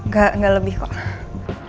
gak gak lebih kok